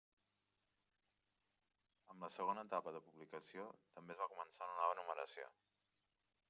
Amb la segona etapa de publicació, també es va començar una nova numeració.